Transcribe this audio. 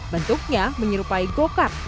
bentuknya menyerupai go kart